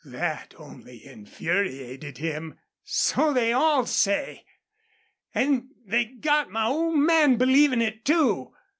That only infuriated him. "So they all say. An' they got my old man believin' it, too.